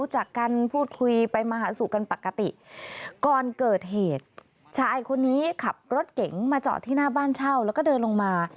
ชายคนนี้ขับรถเก๋งมาเจาะที่หน้าบ้านเช่าแล้วก็เดินลงมา